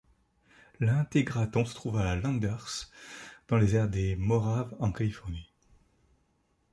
L'Integratron se trouve à Landers, dans le désert des Mojaves en Californie.